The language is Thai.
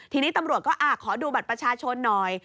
ทีนี้ตำรวจก็ขอดูบัตรประชาชนหน่อย